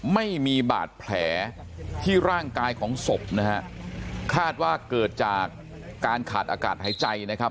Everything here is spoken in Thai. ไม่มีบาดแผลที่ร่างกายของศพนะฮะคาดว่าเกิดจากการขาดอากาศหายใจนะครับ